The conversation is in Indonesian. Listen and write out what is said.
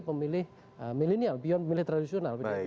pemilih milenial beyond pemilih tradisional